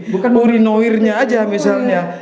bukan boring noirnya aja misalnya